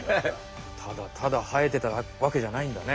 ただただ生えてたわけじゃないんだね。